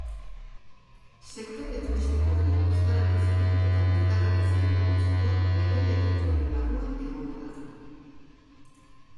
Sektore turistikoari, ostalaritzari eta merkataritzari laguntzeko lege-dekretuaren barruan egongo da.